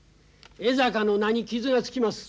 江坂の名に傷がつきます。